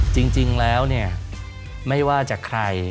จริงแล้วไม่ว่าจะใคร